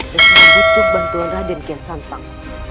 maka dia butuh bantuan raden kian santang